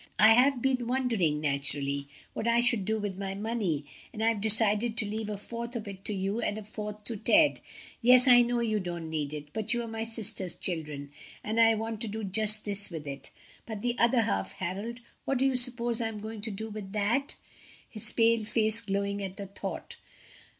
I have been wondering naturally what I should do with my money, and I've decided to leave a fourth of it to you and a fourth to Ted. Yes, I know you don't need it, but you are my sister's children, and I want to do just this with it. But the other half, Harold what do you suppose I am going to do with that?" his pale face glowing at the thought.